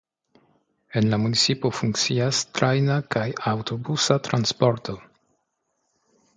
En la municipo funkcias trajna kaj aŭtobusa transporto.